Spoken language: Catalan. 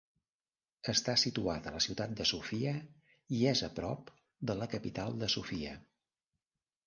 Està situat a la ciutat de Sofia i és a prop de la capital de Sofia.